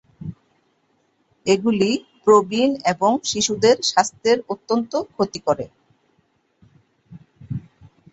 এগুলি প্রবীণ এবং শিশুদের স্বাস্থ্যের অত্যন্ত ক্ষতি করে।